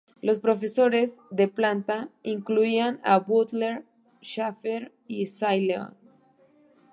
Los profesores de planta incluían a Butler Shaffer y Sy Leon.